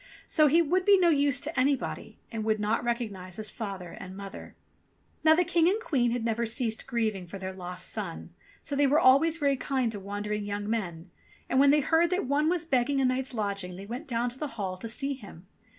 So he would be no use to anybody, and would not recognize his father and mother. Now the King and Queen had never ceased grieving for their lost son, so they were always very kind to wandering young men, and when they heard that one was begging a night's lodging, they went down to the hall to see him.